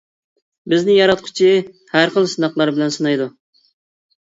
بىزنى ياراتقۇچى ھەر خىل سىناقلار بىلەن سىنايدۇ.